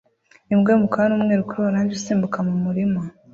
Imbwa y'umukara n'umweru kuri orange isimbuka mu murima